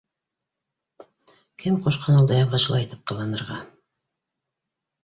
— Кем ҡушҡан ул Даянға шулай итеп ҡыланырға!